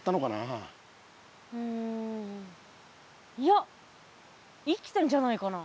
うんいや生きてんじゃないかな。